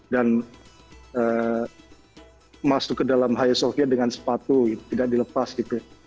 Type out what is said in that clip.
masuk ke dalam high sofia dengan sepatu tidak dilepas gitu